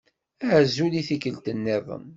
Azul i tikkelt-nniḍen.